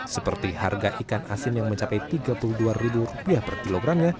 seperti harga ikan asin yang mencapai rp tiga puluh dua per kilogramnya